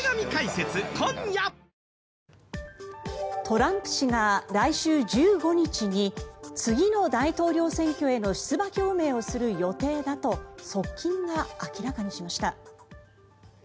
トランプ氏が来週１５日に次の大統領選挙への出馬表明をする予定だと側近が明らかにしました。